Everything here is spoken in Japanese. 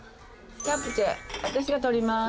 チャプチェ私が取ります。